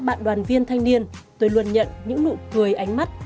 bạn đoàn viên thanh niên tôi luôn nhận những nụ cười ánh mắt